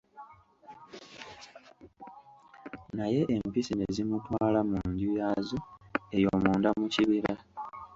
Naye Empisi ne zimutwala mu nju yaazo eyo munda mu kibira.